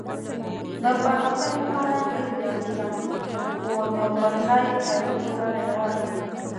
د پرمختګ لپاره ډېرې لارې شته خو د پر ځای درېدو لاره یوه ده.